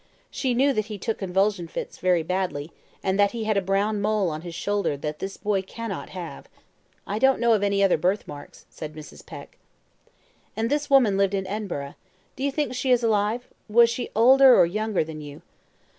She knew that he took convulsion fits very badly, and that he had a brown mole on his shoulder that this boy cannot have. I don't know of any other birth mark," said Mrs. Peck. "And this woman lived in Edinburgh. Do you think she is alive? Was she older or younger than you?"